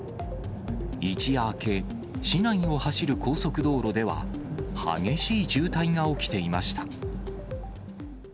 一夜明け、市内を走る高速道路では、激しい渋滞が起きていました。